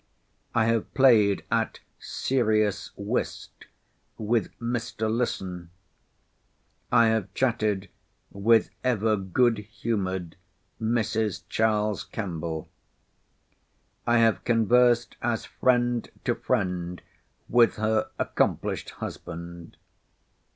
I have played at serious whist with Mr. Listen. I have chatted with ever good humoured Mrs. Charles Kemble. I have conversed as friend to friend with her accomplished husband.